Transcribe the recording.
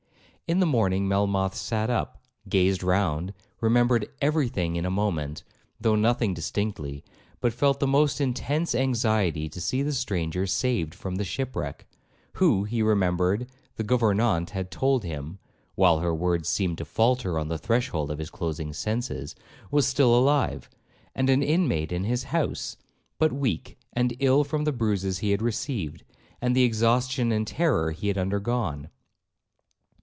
In the morning Melmoth sat up, gazed round, remembered every thing in a moment, though nothing distinctly, but felt the most intense anxiety to see the stranger saved from the shipwreck, who, he remembered the gouvernante had told him, (while her words seemed to falter on the threshold of his closing senses), was still alive, and an inmate in his house, but weak and ill from the bruises he had received, and the exhaustion and terror he had undergone.